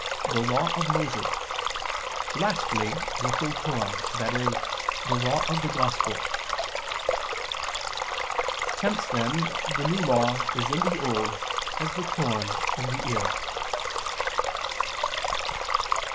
the Law of Moses; lastly, the full corn, i.e. the Law of the Gospel." Hence then the New Law is in the Old as the corn in the ear.